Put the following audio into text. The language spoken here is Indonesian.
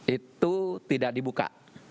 itu tidak dibuka